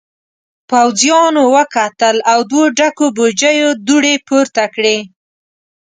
پوځيانو وکتل او دوو ډکو بوجيو دوړې پورته کړې.